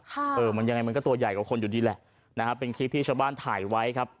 เออมันยังไงมันก็ตัวใหญ่กว่าคนอยู่ดีแหละนะฮะเป็นคลิปที่ชาวบ้านถ่ายไว้ครับ